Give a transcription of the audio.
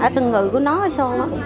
trần ngự của nó hay sao đó